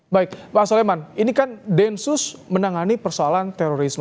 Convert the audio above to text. baik pak soleman ini kan densus menangani persoalan terorisme